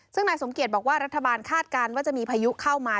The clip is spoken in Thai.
ซึ่งนายสมเกียจบอกว่ารัฐบาลคาดการณ์ว่าจะมีพายุเข้ามา